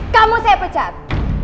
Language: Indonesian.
kamu saya pecat